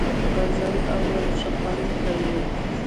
غزل اورم ښه خوند کوي .